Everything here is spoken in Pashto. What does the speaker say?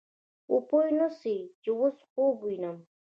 او پوه نه سې چې اوس خوب وينم.